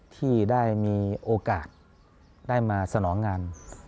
ที่ได้มีโอกาสได้มาสนองงาน